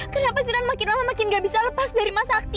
kenapa sinan makin lama makin gak bisa lepas dari masakti